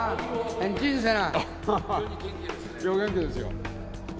元気ですよ。